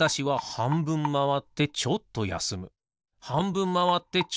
はんぶんまわってちょっとやすむ。